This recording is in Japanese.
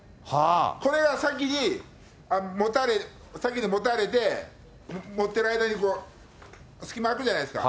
これが先に持たれて、持ってる間に隙間空くじゃないですか、